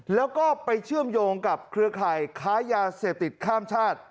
แล้วก็ไปเชื่อมโยงกับเครือข่ายค้ายาเสพติดข้ามชาติ